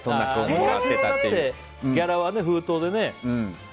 昔はギャラは封筒で。